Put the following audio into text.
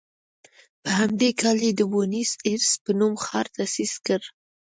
په همدې کال یې د بونیس ایرس په نوم ښار تاسیس کړ.